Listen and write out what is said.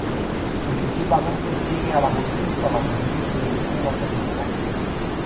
Intuitivamente sigue a la multitud para recibir su bendición antes de su partida.